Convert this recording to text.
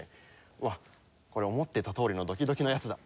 うわっこれ思ってたとおりのドキドキのやつだと思って。